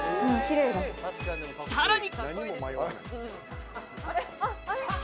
さらに！